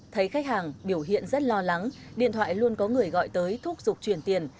thấy khách hàng biểu hiện rất lo lắng điện thoại luôn có người gọi tới thúc giục truyền tiền